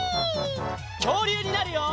きょうりゅうになるよ！